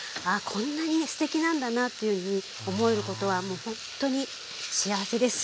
こんなにすてきなんだなというふうに思えることはもうほんとに幸せです。